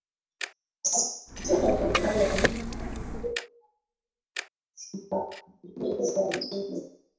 asante sana haya muziki kabla sijakuuliza jina